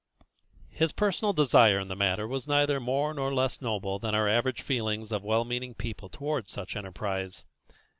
His personal desire in the matter was neither more nor less noble than are the average feelings of well meaning people towards such enterprise.